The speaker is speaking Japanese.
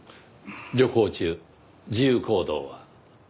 旅行中自由行動は？